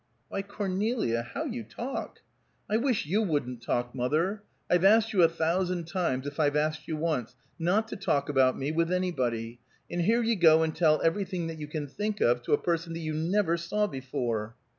"Why, Cornelia, how you talk!" "I wish you wouldn't talk, mother! I've asked you a thousand times, if I've asked you once, not to talk about me with anybody, and here you go and tell everything that you can think of to a person that you never saw before."